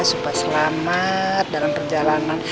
supaya selamat dalam perjalanan